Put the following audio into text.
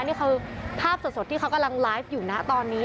นี่คือภาพสดที่เขากำลังไลฟ์อยู่นะตอนนี้